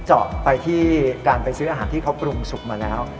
เจาะไปที่การไปซื้ออาหารที่เขาปรุงสุกมาแล้ว